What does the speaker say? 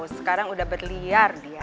sekarang udah berliar dia